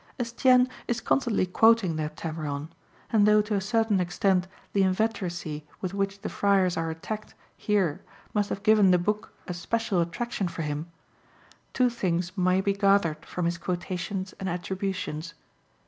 Estienne is constantly quoting the Heptameron, and though to a certain extent the inveteracy with which the friars are attacked here must have given the book a special attraction for him, two things may be gathered from his quotations and attributions.